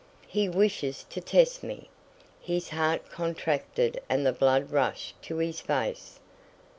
"He wishes to test me!" His heart contracted and the blood rushed to his face.